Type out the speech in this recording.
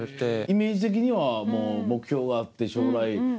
イメージ的にはもう目標があって将来。